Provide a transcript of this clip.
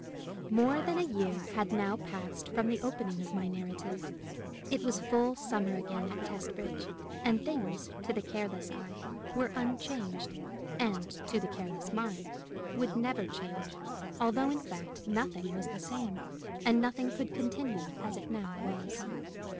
More than a year had now passed from the opening of my narrative. It was full summer again at Testbridge, and things, to the careless eye, were unchanged, and, to the careless mind, would never change, although, in fact, nothing was the same, and nothing could continue as it now was.